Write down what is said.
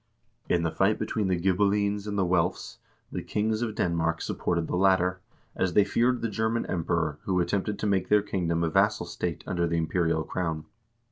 In the fight between the Ghibellines and the Welfs, the kings of Denmark supported the latter, as they feared the German Emperor, who attempted to make their kingdom a vassal state under the im perial crown.